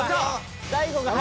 大悟が。